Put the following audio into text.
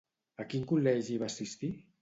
A quin col·legi va assistir?